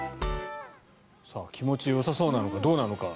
気持ちよさそうなのかどうなのか。